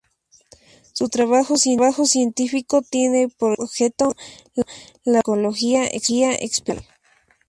Su trabajo científico tiene por objeto la farmacología experimental.